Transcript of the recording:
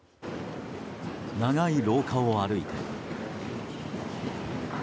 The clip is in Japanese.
長い廊下を歩いて。